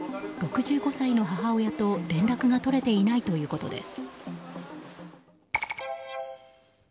６５歳の母親と、連絡が取れていないということです。